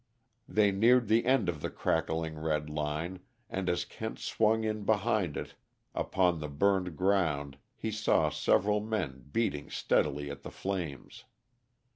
They neared the end of the crackling, red line, and as Kent swung in behind it upon the burned ground, he saw several men beating steadily at the flames.